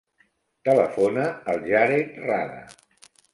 Telefona al Jared Rada.